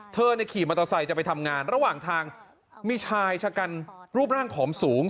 ขี่มอเตอร์ไซค์จะไปทำงานระหว่างทางมีชายชะกันรูปร่างผอมสูง